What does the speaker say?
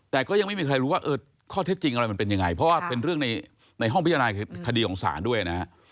แต่ก็ยังไม่มีใครรู้ว่าข้อเท็จจริงอะไรมันเป็นยังไงเพราะว่าเป็นเรื่องในห้องพิจารณาคดีของศาลด้วยนะฮะ